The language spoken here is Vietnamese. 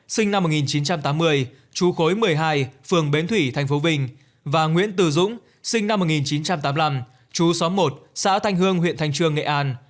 sinh năm một nghìn chín trăm tám mươi chú khối một mươi hai phường bến thủy tp vinh và nguyễn từ dũng sinh năm một nghìn chín trăm tám mươi năm chú xóm một xã thanh hương huyện thanh trương nghệ an